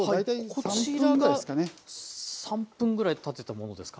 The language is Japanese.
こちらが３分ぐらい立てたものですか。